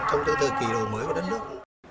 trong thời kỳ đầu mới của đất nước